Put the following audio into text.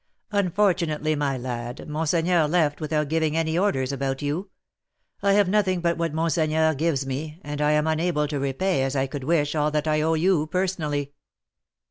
"Unfortunately, my lad, monseigneur left without giving any orders about you. I have nothing but what monseigneur gives me, and I am unable to repay as I could wish all that I owe you personally."